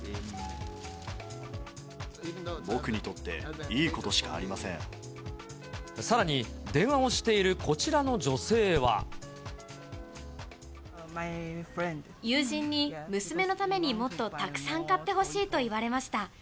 僕にとって、さらに、電話をしているこち友人に、娘のためにもっとたくさん買ってほしいと言われました。